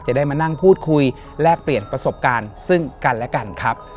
ได้มานั่งพูดคุยแลกเปลี่ยนประสบการณ์ซึ่งกันและกันครับ